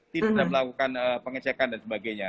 tidak melakukan pengecekan dan sebagainya